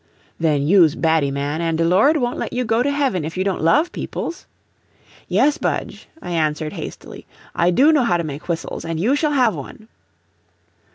"Then you's baddy man, an' de Lord won't let you go to heaven if you don't love peoples." "Yes, Budge," I answered hastily, "I do know how to make whistles, and you shall have one."